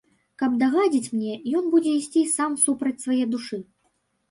Каб дагадзіць мне, ён будзе ісці сам супраць свае душы.